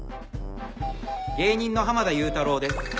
芸人の濱田祐太郎です。